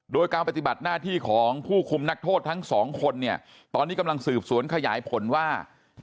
โดยการปฏิบัติหน้าที่ของผู้คุมนักโทษทั้งสองคนเนี่ยตอนนี้กำลังสืบสวนขยายผลว่า